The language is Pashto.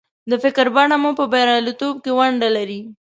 د فکر بڼه مو په برياليتوب کې ونډه لري.